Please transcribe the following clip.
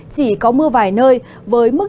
chỉ có mưa vài nơi với mức